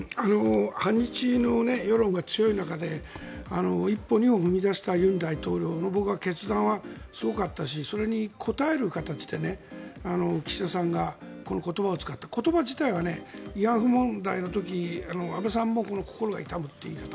反日の世論が強い中で一歩、二歩踏み出した尹大統領の決断はすごかったしそれに応える形で岸田さんがこの言葉を使って言葉自体は慰安婦問題の時安倍さんも心が痛むという言い方